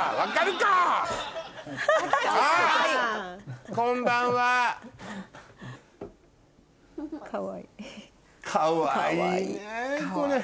かわいいねこれ。